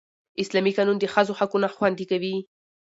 اسلامي قانون د ښځو حقونه خوندي کوي